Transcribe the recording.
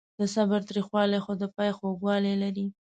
د صبر تریخوالی خو د پای خوږوالی لري.